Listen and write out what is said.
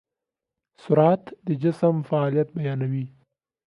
سرعت د جسم فعالیت بیانوي.